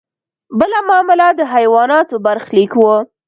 بله معامله د حیواناتو برخلیک و.